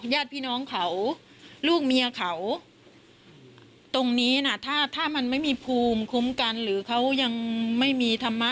ญาติพี่น้องเขาลูกเมียเขาตรงนี้น่ะถ้าถ้ามันไม่มีภูมิคุ้มกันหรือเขายังไม่มีธรรมะ